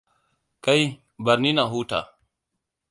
Kai, bar ni na huta.